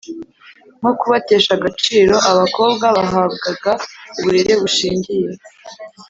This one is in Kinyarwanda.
nko kubatesha agaciro. Abakobwa bahabwaga uburere bushingiye